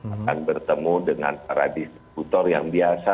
akan bertemu dengan para distributor yang biasa